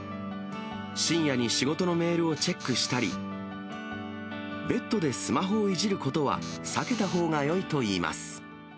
深夜に仕事のメールをチェックしたり、ベッドでスマホをいじることは避けたほうがよいといいます。